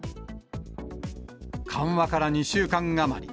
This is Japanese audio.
緩和から２週間余り。